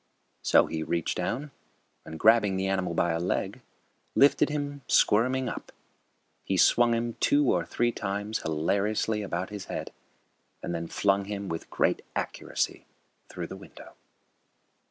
So he reached down and, grabbing the animal by a leg, lifted him, squirming, up. He swung him two or three times hilariously about his head, and then flung him with great accuracy through the window.